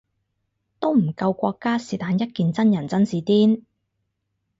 都唔夠國家是但一件真人真事癲